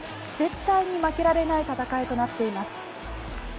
絶対に負けられない戦いとなっています。